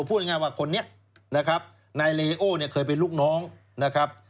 พูดง่ายว่าคนนี้นะครับนายเลโอเนี่ยเคยเป็นลูกน้องนะครับ